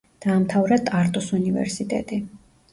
დაამთავრა ტარტუს უნივერსიტეტი.